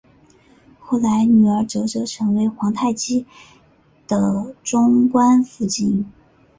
后来女儿哲哲成皇太极的中宫福晋。